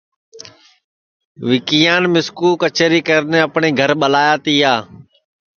وکیان مِسکو کچیری کرنے اپٹؔے گھر ٻلایا تیا